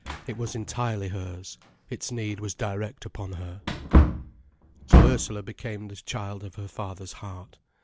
It was entirely hers, its need was direct upon her. So Ursula became the child of her father's heart.